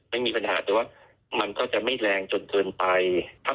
ผมหวังว่าคนจะปาแน๊บไม่ได้เยอะ